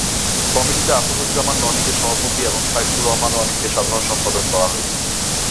কমিটিতে আসাদুজ্জামান রনিকে সভাপতি এবং সাইফুর রহমান রনিকে সাধারণ সম্পাদক করা হয়েছে।